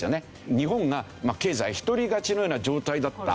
日本が経済一人勝ちのような状態だった。